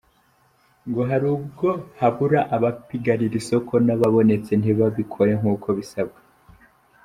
Ngo hari ubwo habura abapiganira isoko, n’ababonetse ntibabikore nk’uko bisabwa.